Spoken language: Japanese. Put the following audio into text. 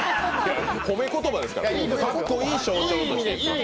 褒め言葉ですからかっこいい象徴として。